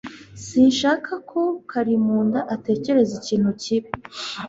Sinshaka ko Karimunda atekereza ikintu kibi